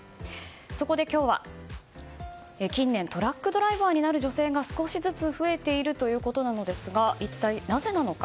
そこで今日は、近年トラックドライバーになる女性が少しずつ増えているということなのですが一体なぜなのか。